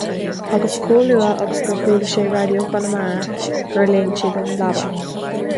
Agus chomh luath agus gur chuala sé Raidió Chonamara gur léim sé den leaba.